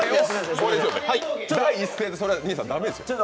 第一声で兄さん、それは駄目ですよ。